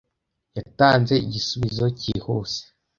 Yatanze igisubizo cyihuse.